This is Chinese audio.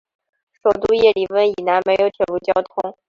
首都叶里温以南没有铁路交通。